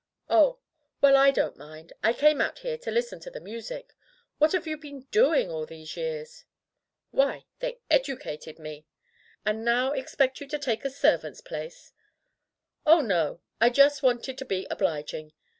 "Oh! Well, I don't mind. I came out here to listen to the music. What have you been doing all these years?" "Why, they educated me." "And now expect you to take a servant's place!" "Oh, no! I just wanted to be obliging.